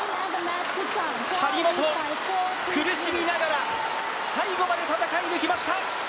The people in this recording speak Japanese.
張本、苦しみながら最後まで戦い抜きました。